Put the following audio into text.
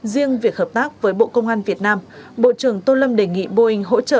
riêng việc hợp tác với bộ công an việt nam bộ trưởng tô lâm đề nghị boeing hỗ trợ